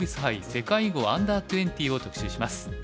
世界囲碁Ｕ−２０を特集します。